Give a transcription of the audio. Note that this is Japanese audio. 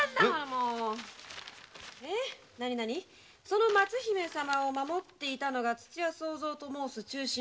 その松姫様を守っていたのが土屋惣三と申す忠臣。